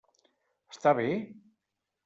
Està bé?